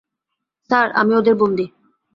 Sir, আমি ওদের বন্দী!